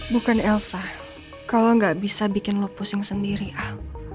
bukan elsa kalau gak bisa bikin lo pusing sendiri al